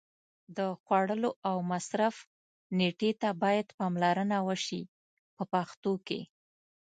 د خوړلو او مصرف نېټې ته باید پاملرنه وشي په پښتو کې.